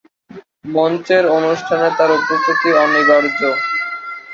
মঞ্চের অনুষ্ঠানে তাঁর উপস্থিতি অনিবার্য ছিল।